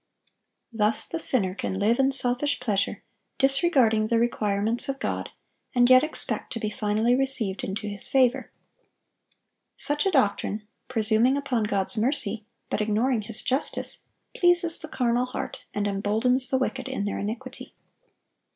Thus the sinner can live in selfish pleasure, disregarding the requirements of God, and yet expect to be finally received into His favor. Such a doctrine, presuming upon God's mercy, but ignoring His justice, pleases the carnal heart, and emboldens the wicked in their iniquity.